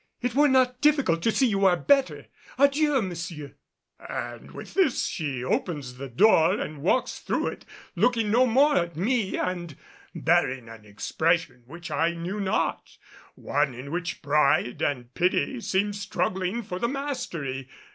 It were not difficult to see you are better. Adieu, monsieur!" And with this she opens the door and walks through it, looking no more at me and bearing an expression which I knew not, one in which pride and pity seemed struggling for the mastery.